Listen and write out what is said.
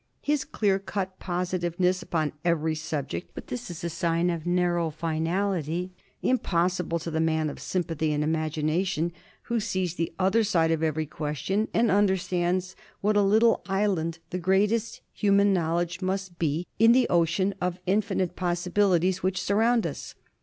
His clear cut positiveness upon every subject. But this is a sign of a narrow finality—impossible to the man of sympathy and of imagination, who sees the other side of every question and understands what a little island the greatest human knowledge must be in the ocean of infinite possibilities which surround us.